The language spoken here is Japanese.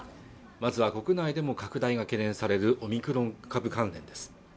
まずは国内でも拡大が懸念されるオミクロン株関連です